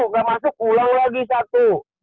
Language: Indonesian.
tujuh gak masuk ulang lagi satu